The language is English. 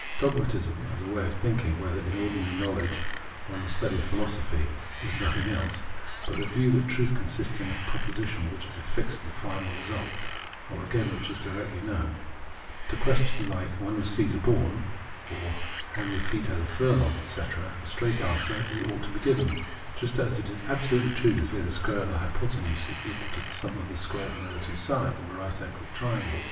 Dogmatism as a way of thinking, whether in ordinary knowledge or in the study of philosophy, is nothing else but the view that truth consists in a proposition, which is a fixed and final result, or again which is directly known. To questirms hke, " When was Ceesar born ?"," How many feet made a furlong ?", etc., 38 Phenomenology of Mind a straight answer ought to be given ; just as it is ab solutely true that the square of the hypotenuse is equal to the sum of the squares of the other two sides of a right angled triangle.